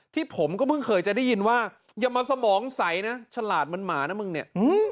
ที่ผมก็เพิ่งเคยจะได้ยินว่าอย่ามาสมองใสนะฉลาดเหมือนหมานะมึงเนี่ย